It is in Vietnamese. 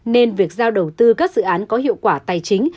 nên việc giao đầu tư các dự án có hiệu quả tài chính